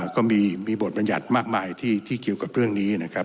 ก็มีบทบัญญัติมากมายที่เกี่ยวกับเรื่องนี้นะครับ